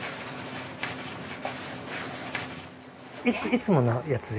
いつものやつで？